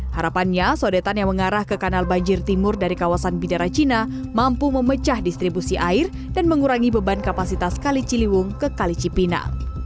harapannya sodetan yang mengarah ke kanal banjir timur dari kawasan bidara cina mampu memecah distribusi air dan mengurangi beban kapasitas kali ciliwung ke kali cipina